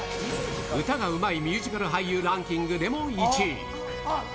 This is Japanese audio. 歌がうまいミュージカル俳優ランキングでも１位。